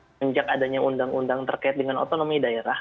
sejak adanya undang undang terkait dengan otonomi daerah